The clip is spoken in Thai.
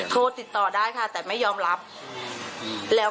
ครั้งนี้เธอฆ่าฉันเธอทำร้ายจิตใจฉัน